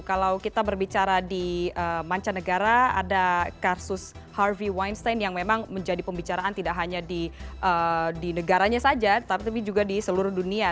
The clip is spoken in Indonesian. kalau kita berbicara di mancanegara ada kasus harvey winestain yang memang menjadi pembicaraan tidak hanya di negaranya saja tapi juga di seluruh dunia